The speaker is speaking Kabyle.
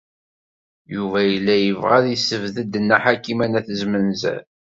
Yuba yella yebɣa ad yessebded Nna Ḥakima n At Zmenzer.